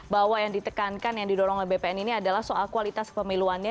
bahwa yang ditekankan yang didorong oleh bpn ini adalah soal kualitas kepemiluannya